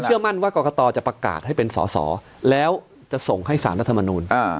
มั่นว่ากรกตจะประกาศให้เป็นสอสอแล้วจะส่งให้สารรัฐมนูล